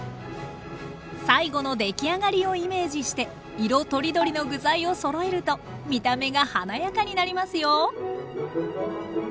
最後の出来上がりをイメージして色とりどりの具材をそろえると見た目が華やかになりますよ